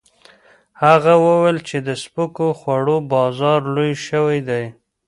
هغه وویل چې د سپکو خوړو بازار لوی شوی دی.